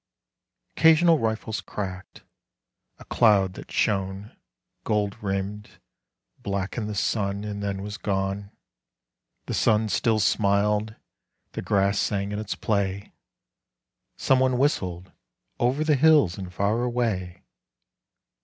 Occasional rifles cracked. A cloud that shone, Gold rimmed, blackened the sun and then was gone.... The sun still smiled. The grass sang in its play. Someone whistled: "Over the hills and far away."